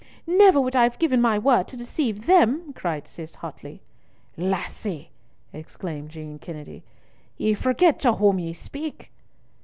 "Never would I have given my word to deceive them," cried Cis, hotly. "Lassie!" exclaimed Jean Kennedy, "ye forget to whom ye speak."